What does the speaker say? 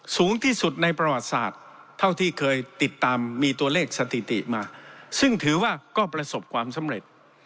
สูงที่สุดในประวัติศาสตร์เท่าที่เคยติดตามมีตัวเลขสถิติมาซึ่งถือว่าก็ประสบความสำเร็จ